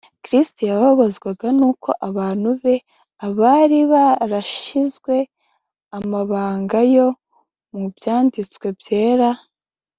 . Kristo yababazwaga nuko abantu be, abari barashinzwe amabanga yo mu Byanditswe Byera